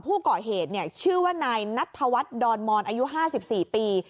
ผู้ก่อเหตุชื่อว่านายนัทธวัฒน์ดอนมอนอายุ๕๔ปี